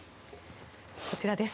こちらです。